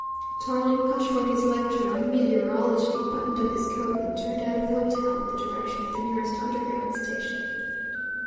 Tarling cut short his lecture on meteorology, buttoned up his coat, and turned out of the hotel in the direction of the nearest underground station.